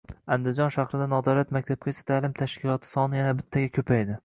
Andijon shahrida nodavlat maktabgacha ta’lim tashkiloti soni yana bittaga ko‘paydi